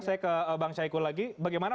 saya ke bang syahiku lagi bagaimana